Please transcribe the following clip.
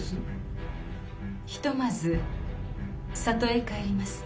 ひとまず里へ帰ります。